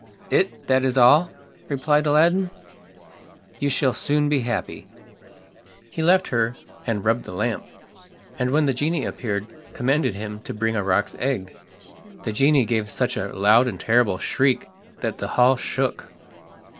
"It that is all," replied Aladdin, "you shall soon be happy." He left her and rubbed the lamp, and when the genie appeared commanded him to bring a roc's egg. The genie gave such a loud and terrible shriek that the hall shook.